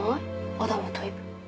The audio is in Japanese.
アダムとイヴ。